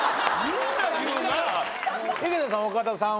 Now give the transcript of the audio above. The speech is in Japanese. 井桁さん。